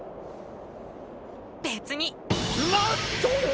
別になんと！？